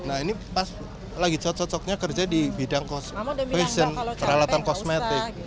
nah ini pas lagi cocoknya kerja di bidang kosmetik